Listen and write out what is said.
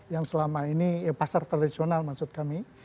yang selama ini pasar tradisional maksud kami